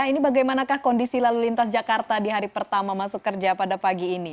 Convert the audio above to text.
ini bagaimanakah kondisi lalu lintas jakarta di hari pertama masuk kerja pada pagi ini